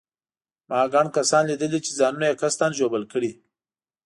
ما ګڼ کسان لیدلي چې ځانونه یې قصداً ژوبل کړي.